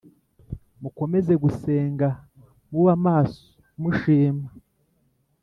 Mukomeze gusenga muba maso mushima